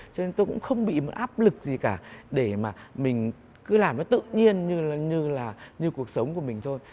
cho nên tôi cũng không bị một áp lực gì cả để mà mình cứ làm nó tự nhiên như là như cuộc sống của mình thôi